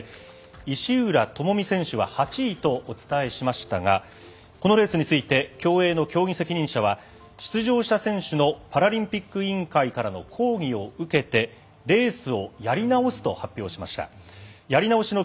競泳女子５０ｍ自由形の視覚障がいが最も重いクラスで石浦智美選手は８位とお伝えしましたがこのレースについて競泳の競技責任者は出場者選手のパラリンピック委員会からの抗議を受けてレースをやり直すと発表しました。